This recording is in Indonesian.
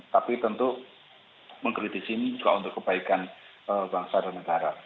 tapi tentu mengkritisi ini juga untuk kebaikan bangsa dan negara